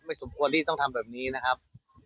สมควรที่ต้องทำแบบนี้นะครับ